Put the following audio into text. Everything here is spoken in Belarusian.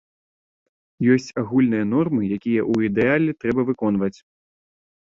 Ёсць агульныя нормы, якія ў ідэале трэба выконваць.